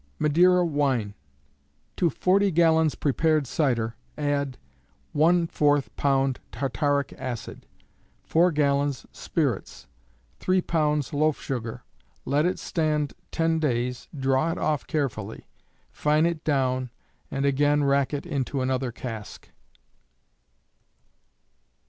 Madeira Wine. To 40 gallons prepared cider, add, ¼ lb. tartaric acid; 4 gallons spirits; 3 lbs. loaf sugar. Let it stand 10 days, draw it off carefully; fine it down, and again rack it into another cask.